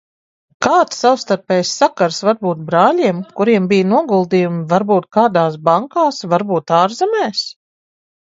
Kāds savstarpējs sakars var būt brāļiem, kuriem bija noguldījumi varbūt kādās bankās, varbūt ārzemēs?